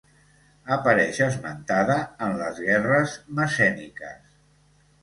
Apareix esmentada en les guerres messèniques.